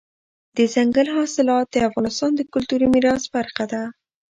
دځنګل حاصلات د افغانستان د کلتوري میراث برخه ده.